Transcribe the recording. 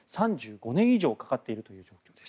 ３５年以上かかっているという状況。